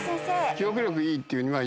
記憶力いいって言うよね